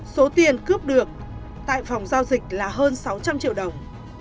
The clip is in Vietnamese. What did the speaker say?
số tiền cướp được tại phòng giao dịch là hơn sáu trăm linh triệu đồng